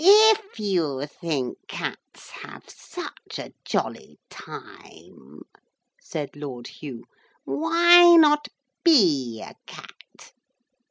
'If you think cats have such a jolly time,' said Lord Hugh, 'why not be a cat?'